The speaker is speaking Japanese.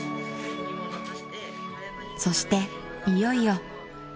［そしていよいよ］